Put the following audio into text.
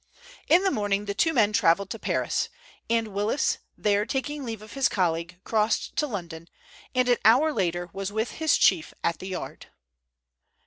In the morning the two men travelled to Paris, and Willis, there taking leave of his colleague, crossed to London, and an hour later was with his chief at the Yard.